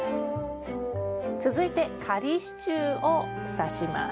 続いて仮支柱をさします。